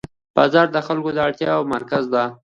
بازار د خلکو د اړتیاوو مرکز دی